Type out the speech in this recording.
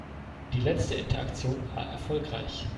Die letzte Interaktion war erfolgreich.